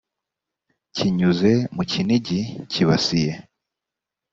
kinyuze mu kinigi kibasiye